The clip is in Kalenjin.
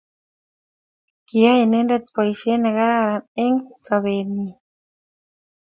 Kiyai inendet Boisheet ne kararan eng' sobet'nyi